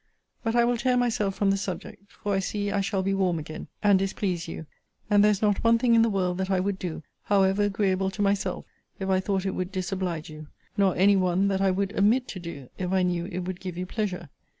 But I will tear myself from the subject; for I see I shall be warm again and displease you and there is not one thing in the world that I would do, however agreeable to myself, if I thought it would disoblige you; nor any one that I would omit to do, if I knew it would give you pleasure.